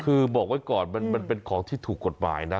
คือบอกไว้ก่อนมันเป็นของที่ถูกกฎหมายนะ